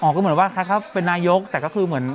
ก็เหมือนว่าเขาเป็นนายกแต่ก็คือเหมือน